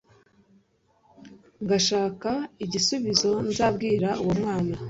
ngashaka igisubizo nzabwira uwo mwana